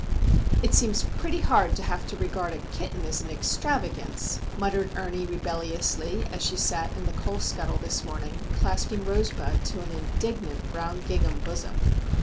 "It seems pretty hard to have to regard a kitten as an extravagance!" muttered Ernie, rebelliously, as she sat in the coal scuttle this morning, clasping Rosebud to an indignant brown gingham bosom.